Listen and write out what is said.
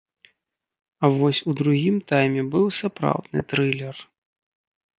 А вось у другім тайме быў сапраўдны трылер.